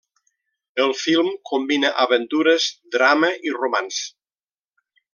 El film combina aventures, drama i romanç.